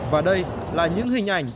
và đây là những hình ảnh